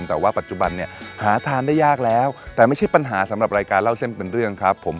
แต่ว่าปัจจุบันเนี่ยหาทานได้ยากแล้วแต่ไม่ใช่ปัญหาสำหรับรายการเล่าเส้นเป็นเรื่องครับผม